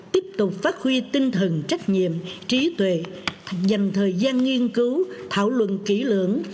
tiếp tục phát huy tinh thần trách nhiệm trí tuệ dành thời gian nghiên cứu thảo luận kỹ lưỡng